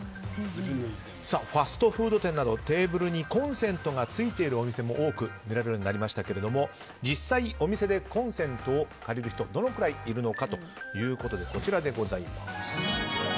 ファストフード店などテーブルにコンセントがついているお店も見られるようになりましたが実際お店でコンセントを借りる人どれくらいいるのかということでこちらです。